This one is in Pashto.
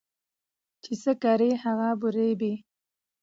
چي څه کرې هغه به رېبې